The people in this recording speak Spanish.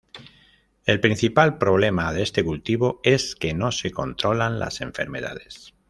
El principal problema de este cultivo es que no se controlan las enfermedades.